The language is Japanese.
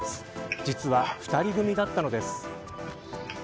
実は２人組だったのです。